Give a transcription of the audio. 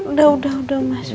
udah udah udah mas